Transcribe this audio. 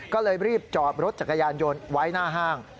ก็เลยรีบจอดรถจักรยานยนต์ไว้หน้าห้าง